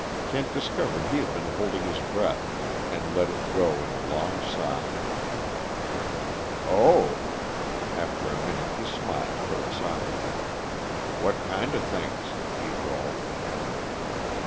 Kent discovered he had been holding his breath, and let it go in a long sigh. "Oh!" After a minute he smiled philosophically. "What kinda things?" he drawled.